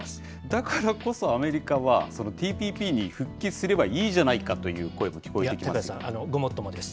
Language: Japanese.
だからこそアメリカは、ＴＰＰに復帰すればいいじゃないかと高瀬さん、ごもっともです。